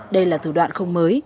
đây là thủ đoạn không mới